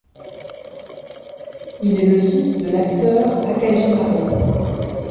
Il est le fils de l'acteur Akaji Maro.